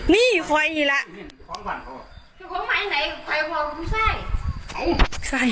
นี่ควันอีกแล้ว